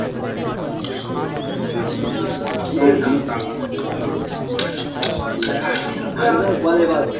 ঘরের একপাশের দেয়ালে ছোট্ট একটা ছিদ্র রাখলেন।